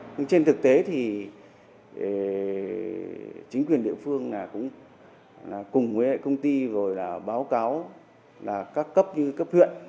nhưng trên thực tế thì chính quyền địa phương là cũng là cùng với công ty rồi là báo cáo là các cấp như cấp thuyện